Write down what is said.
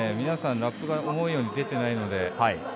皆さん、ラップが思うように出ていないので。